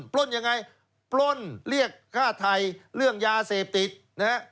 ปล้นยังไงปล้นเรียกฆ่าไทยเรื่องยาเสพติดนะฮะ